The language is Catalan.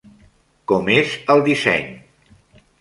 Com és el disseny?